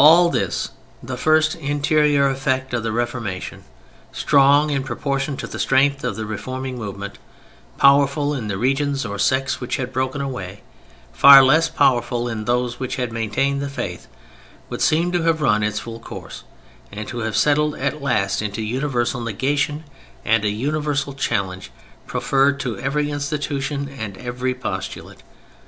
All this, the first interior effect of the Reformation, strong in proportion to the strength of the reforming movement, powerful in the regions or sects which had broken away, far less powerful in those which had maintained the Faith, would seem to have run its full course, and to have settled at last into universal negation and a universal challenge proffered to every institution, and every postulate.